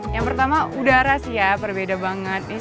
yang pertama udara sih ya berbeda banget